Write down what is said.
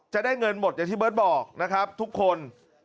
จะได้เงินหมดอย่างที่เบิร์ตบอกนะครับทุกคน